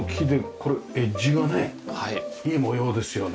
これエッジがねいい模様ですよね。